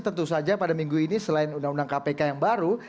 tentu saja pada minggu ini selain undang undang kpk yang baru